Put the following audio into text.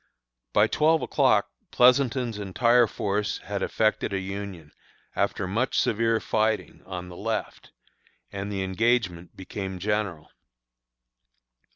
By twelve o'clock Pleasonton's entire force had effected a union, after much severe fighting, on the left, and the engagement became general.